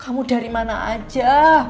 kamu dari mana aja